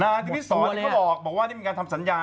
นาธิพิสรท์ก็บอกบอกว่านี่มีการทำสัญญา